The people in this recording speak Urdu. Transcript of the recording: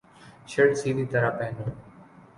شرٹ سیدھی طرح پہنو